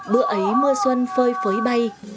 bữa ấy mưa xuân phơi phới bay